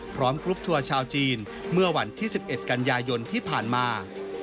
กรุ๊ปทัวร์ชาวจีนเมื่อวันที่๑๑กันยายนที่ผ่านมา